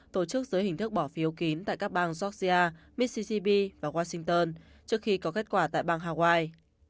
tổ chức dưới hình thức bỏ phiếu kín tại các bang georgia missigip và washington trước khi có kết quả tại bang hawaii